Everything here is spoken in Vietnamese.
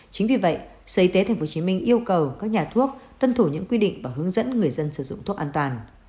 chính vì vậy sở y tế tp hcm yêu cầu các nhà thuốc tân thủ những quy định và hướng dẫn người dân sử dụng thuốc an toàn